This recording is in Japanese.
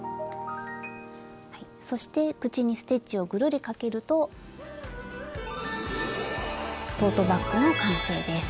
そして口にステッチをぐるりかけるとトートバッグの完成です。